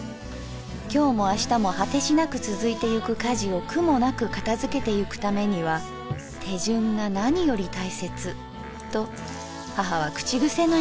今日も明日も果しなくつづいてゆく家事を苦もなく片づけてゆくためには手順が何より大切と母は口癖のように言っていた」。